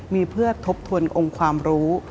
มีเพื่อทบทวนองค์ความรู้